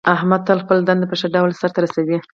احمد تل خپله دنده په ښه ډول سرته رسوي.